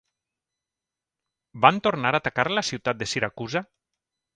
Van tornar a atacar la ciutat de Siracusa?